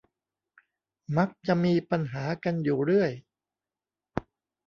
มักจะมีปัญหากันอยู่เรื่อย